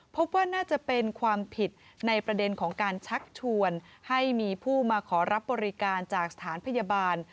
พบว่าน่าจะเป็นความผิดในประเด็นของการชักชวนให้มีผู้มาขอรับบริการจากสถานพยาบาล